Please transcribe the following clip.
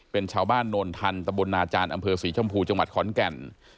เป็นชาวบ้านโนนทันตะบลนาจารย์อำเภอศรีชมพูจังหวัดขอนแก่น